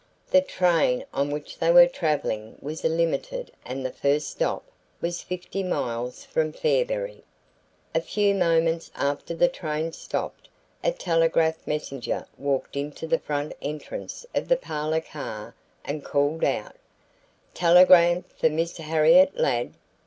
The train on which they were traveling was a limited and the first stop was fifty miles from Fairberry. A few moments after the train stopped, a telegraph messenger walked into the front entrance of the parlor car and called out: "Telegram for Miss Harriet Ladd."